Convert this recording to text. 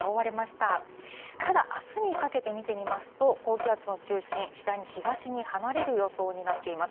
ただ、あすにかけて見てみますと、高気圧の中心、次第に東に離れる予想になっています。